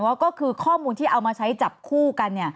ก็คือข้อมูลที่เอามาใช้จับคู่กัน